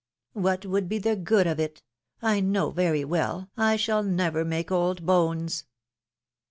^^ What would be the good of it ? I know very well I shall never make old bones